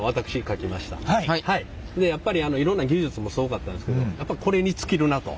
でやっぱりいろんな技術もすごかったんですけどやっぱこれに尽きるなと。